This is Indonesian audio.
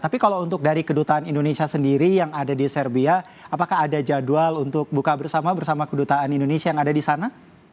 tapi kalau untuk dari kedutaan indonesia sendiri yang ada di serbia apakah ada jadwal untuk buka bersama bersama kedutaan indonesia yang ada di sana